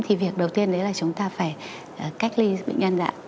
thì việc đầu tiên đấy là chúng ta phải cách ly bệnh nhân dạ